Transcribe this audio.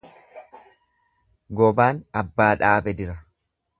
Gobaan abbaa dhaabe dira.